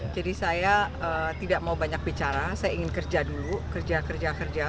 jadi saya tidak mau banyak bicara saya ingin kerja dulu kerja kerja kerja